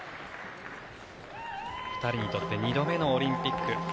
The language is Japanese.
２人にとって２度目のオリンピック。